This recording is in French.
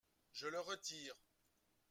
Je le retire.